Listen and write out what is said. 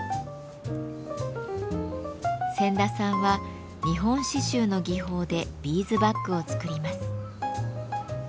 仙田さんは日本刺繍の技法でビーズバッグを作ります。